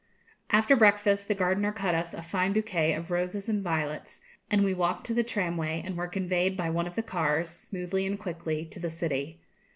After breakfast the gardener cut us a fine bouquet of roses and violets, and we walked to the tramway, and were conveyed by one of the cars, smoothly and quickly, to the city.